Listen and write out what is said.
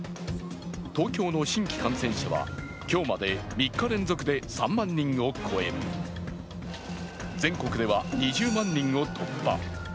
東京の新規感染者は今日まで３日連続で３万人を超え全国では２０万人を突破。